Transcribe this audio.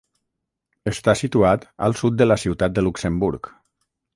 Està situat al sud de la ciutat de Luxemburg.